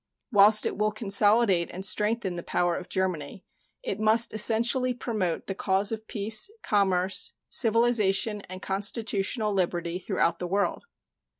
Whilst it will consolidate and strengthen the power of Germany, it must essentially promote the cause of peace, commerce, civilization, and constitutional liberty throughout the world.